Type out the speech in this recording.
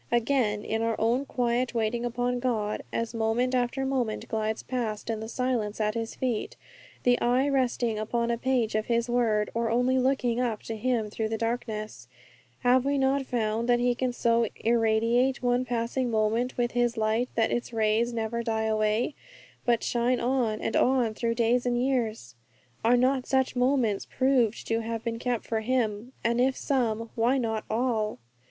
Again, in our own quiet waiting upon God, as moment after moment glides past in the silence at His feet, the eye resting upon a page of His Word, or only looking up to Him through the darkness, have we not found that He can so irradiate one passing moment with His light that its rays never die away, but shine on and on through days and years? Are not such moments proved to have been kept for Him? And if some, why not all?